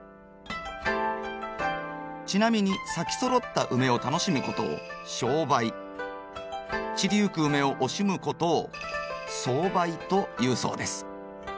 ちなみに咲きそろったウメを楽しむことを賞梅散りゆくウメを惜しむことを送梅というそうです。